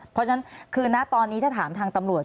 เพราะฉะนั้นคือนะตอนนี้ถ้าถามทางตำรวจ